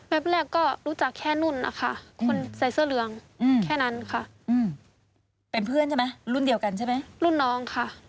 แรกก็รู้จักแค่นุ่นนะคะคนใส่เสื้อเหลืองแค่นั้นค่ะเป็นเพื่อนใช่ไหมรุ่นเดียวกันใช่ไหมรุ่นน้องค่ะ